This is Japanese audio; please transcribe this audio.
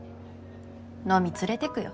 飲み連れてくよ。